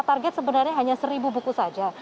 target sebenarnya hanya seribu buku saja